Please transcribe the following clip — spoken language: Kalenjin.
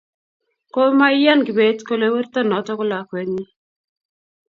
Komaiyani kibet kole werto noto ko lakwenyi